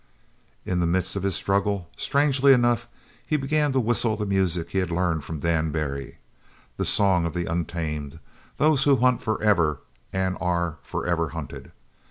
In the midst of his struggle, strangely enough, he began to whistle the music he had learned from Dan Barry, the song of The Untamed, those who hunt for ever, and are for ever hunted.